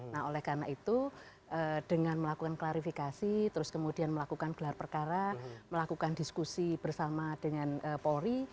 nah oleh karena itu dengan melakukan klarifikasi terus kemudian melakukan gelar perkara melakukan diskusi bersama dengan polri